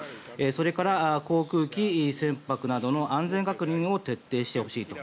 それから航空機、船舶などの安全確認を徹底してほしいと。